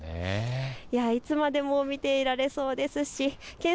いつまでも見ていられそうですしけん